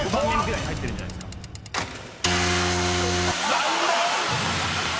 ［残念！］